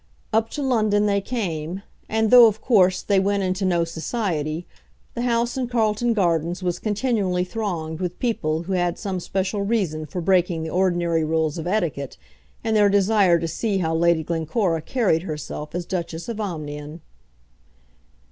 Up to London they came; and, though of course they went into no society, the house in Carlton Gardens was continually thronged with people who had some special reason for breaking the ordinary rules of etiquette in their desire to see how Lady Glencora carried herself as Duchess of Omnium.